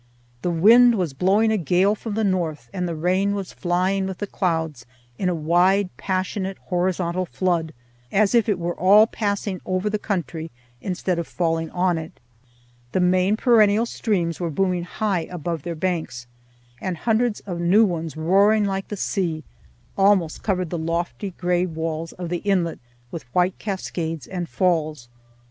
The wind was blowing a gale from the north and the rain was flying with the clouds in a wide passionate horizontal flood, as if it were all passing over the country instead of falling on it. The main perennial streams were booming high above their banks, and hundreds of new ones, roaring like the sea, almost covered the lofty gray walls of the inlet with white cascades and falls.